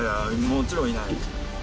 もちろんいない。